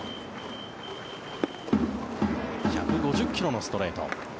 １５０ｋｍのストレート。